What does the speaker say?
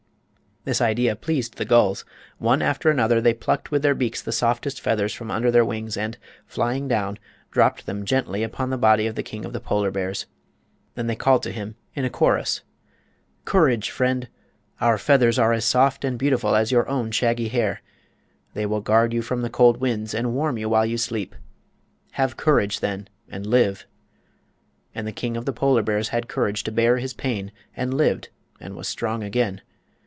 This idea pleased the gulls. One after another they plucked with their beaks the softest feathers from under their wings, and, flying down, dropped then gently upon the body of the King of the Polar Bears. Then they called to him in a chorus: "Courage, friend! Our feathers are as soft and beautiful as your own shaggy hair. They will guard you from the cold winds and warm you while you sleep. Have courage, then, and live!" And the King of the Polar Bears had courage to bear his pain and lived and was strong again.